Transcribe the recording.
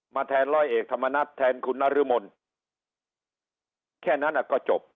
แทนร้อยเอกธรรมนัฐแทนคุณนรมนแค่นั้นอ่ะก็จบ